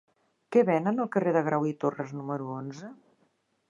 Què venen al carrer de Grau i Torras número onze?